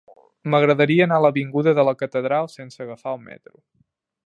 M'agradaria anar a l'avinguda de la Catedral sense agafar el metro.